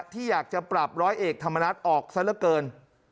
ที่อยากจะปรับร้อยเอกธรรมนัฐออกซะละเกิน